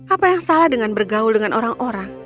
apa yang salah dengan bergaul dengan orang orang